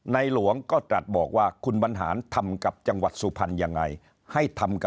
นายหลวงก็ตรัสบอกว่า